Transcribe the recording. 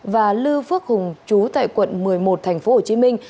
và lưu phước hùng chú tại quận một mươi một thành phố hồ chí minh